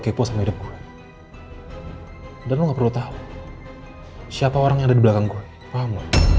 kepo sama hidup gue dan lo nggak perlu tahu siapa orang yang ada di belakang gue paham